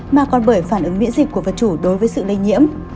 mà còn bởi phản ứng miễn dịch của vật chủ đối với sự lây nhiễm